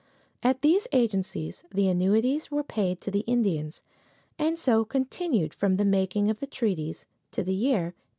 At these agencies the annuities were paid to the Indians, and so continued from the making of the treaties to the year 1862.